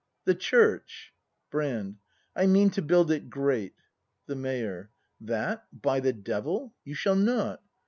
The Church ? Brand. I mean to build it great. The Mayor. That, by the devil! you shall not!